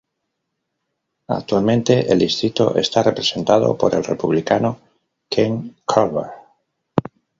Actualmente el distrito está representado por el Republicano Ken Calvert.